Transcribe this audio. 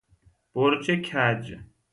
برج کج